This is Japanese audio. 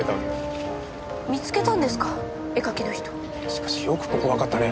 しかしよくここわかったね。